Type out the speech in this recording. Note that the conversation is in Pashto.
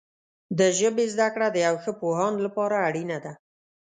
د ژبې زده کړه د یو ښه پوهاند لپاره اړینه ده.